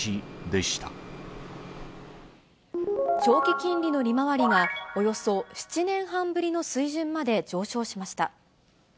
長期金利の利回りが、およそ７年半ぶりの水準まで上昇しました。